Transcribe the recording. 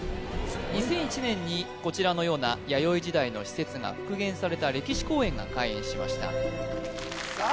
２００１年にこちらのような弥生時代の施設が復元された歴史公園が開園しましたさあ